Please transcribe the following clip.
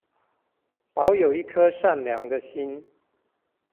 保有一顆善良的心